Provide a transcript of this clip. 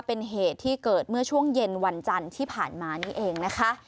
เป็นเหตุที่เกิดเมื่อช่วงเย็นวันจันทร์ที่ผ่านมานี่เองนะคะ